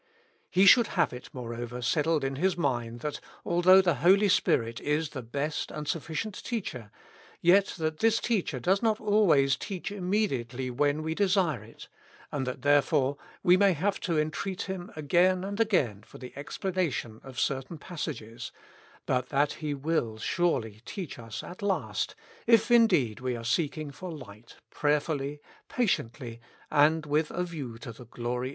"He should have it, moreover, settled in his mind that although the Holy Spirit is the best and sufficient Teacher, yet that this Teacher does not always teach immediately when we desire it, and that therefore we may have to entreat Him again and again for the explanation of certain passages ; but that He will surely teach us at last, if indeed we are seeking for light prayer fully, patiently, and with a view to the glory of God."